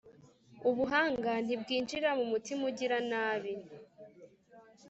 Ubuhanga ntibwinjira mu mutima ugira nabi,